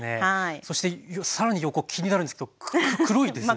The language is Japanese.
そして更に横気になるんですけど黒いですね。